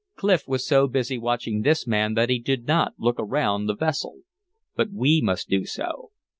Clif was so busy watching this man that he did not look around the vessel. But we must do so.